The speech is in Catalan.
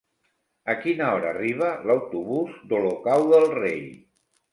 A quina hora arriba l'autobús d'Olocau del Rei?